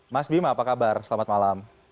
mas bima apa kabar selamat malam